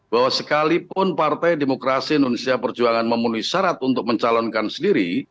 bahwa sekalipun partai demokrasi indonesia perjuangan memenuhi syarat untuk mencalonkan sendiri